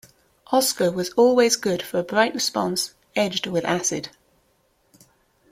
Oscar was always good for a bright response edged with acid.